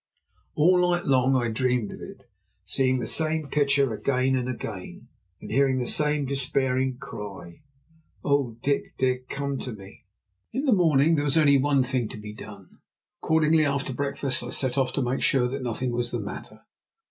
All night long I dreamed of it, seeing the same picture again and again, and hearing the same despairing cry, "Oh, Dick! Dick! come to me!" In the morning there was only one thing to be done. Accordingly, after breakfast I set off to make sure that nothing was the matter.